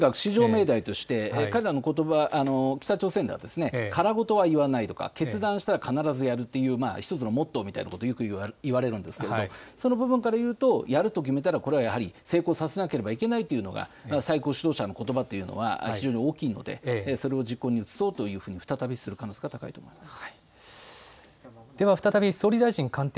至上命題として彼らのことば、北朝鮮ではからごとは言わないとか、決断したら必ず言うという１つのモットーというのを言われるんですがその部分から言うとやると決めたらこれはやはり成功させなければいけないというのが最高指導者のことばというのは非常に大きいので、それを実行に移そうというふうに再びする可能性が高いと思います。